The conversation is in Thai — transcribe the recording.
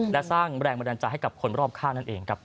และสร้างแรงบันดาลใจให้กับคนรอบข้างนั่นเองครับ